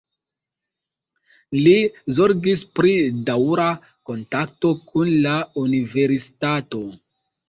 Li zorgis pri daŭra kontakto kun la Universitato.